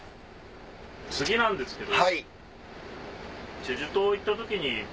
次なんですけど。